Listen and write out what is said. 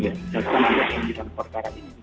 berjaga jaga dalam perjalanan perkara ini